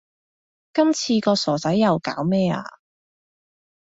今次個傻仔又搞咩呀